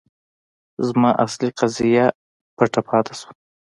زما اصلي قضیه پټه پاتې شوه.